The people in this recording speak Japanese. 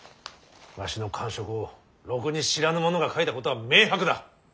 わしの官職をろくに知らぬ者が書いたことは明白だ。